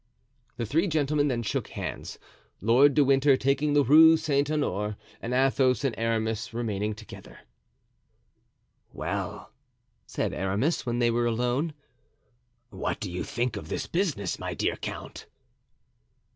The three gentlemen then shook hands, Lord de Winter taking the Rue Saint Honore, and Athos and Aramis remaining together. "Well," said Aramis, when they were alone, "what do you think of this business, my dear count?"